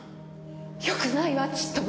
よくないわちっとも。